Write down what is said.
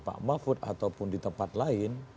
pak mahfud ataupun di tempat lain